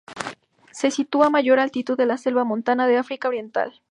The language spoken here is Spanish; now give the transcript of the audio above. Se sitúa a mayor altitud que la selva montana de África oriental.